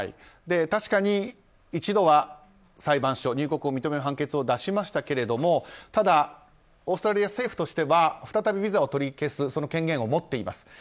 確かに、一度は裁判所入国を認める判決を出しましたがただオーストラリア政府としては再びビザを取り消すその権限を持っています。